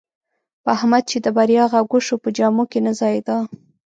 په احمد چې د بریا غږ وشو، په جامو کې نه ځایېدا.